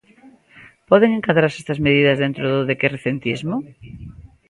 Poden encadrarse estas medidas dentro do decrecentismo?